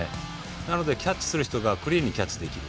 なので、キャッチする人がクリーンにキャッチできる。